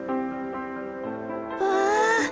わあ！